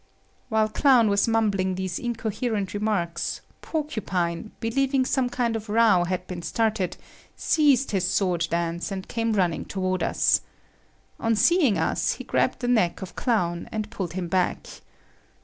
While Clown was mumbling these incoherent remarks, Porcupine, believing some kind of row had been started, ceased his sword dance and came running toward us. On seeing us, he grabbed the neck of Clown and pulled him back.